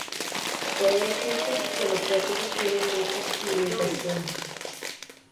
Puede decirse que los creativos tienen muchas limitaciones.